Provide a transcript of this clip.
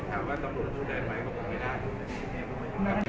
ก็บอกลูกไม่ได้